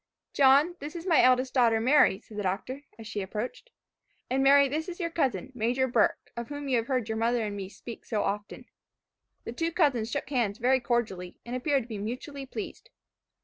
"John, this is my eldest daughter, Mary," said the Doctor, as she approached; "and Mary this is your cousin, Major Burke, of whom you have heard your mother and me so often speak." The two cousins shook hands very cordially, and appeared to be mutually pleased.